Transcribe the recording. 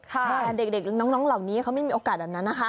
แต่เด็กน้องเหล่านี้เขาไม่มีโอกาสแบบนั้นนะคะ